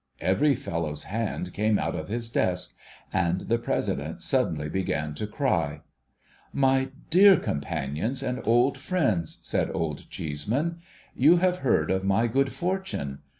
' Every fellow's hand came out of his desk, and the President suddenly began to cry. ' My dear companions and old friends,' said Old Cheeseman, OLD CHEESEMAN'S GENEROSITY 49 'you have heard of my good fortune.